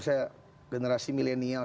saya generasi milenial